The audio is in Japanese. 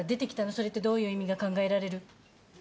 それってどういう意味が考えられる？